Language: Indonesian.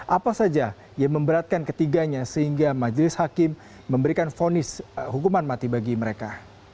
apa saja yang memberatkan ketiganya sehingga majelis hakim memberikan fonis hukuman mati bagi mereka